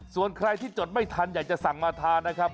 ส่วนใครที่จดไม่ทันอยากจะสั่งมาทานนะครับ